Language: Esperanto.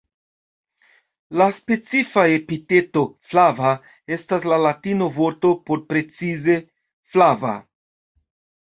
La specifa epiteto "flava" estas latina vorto por precize "flava".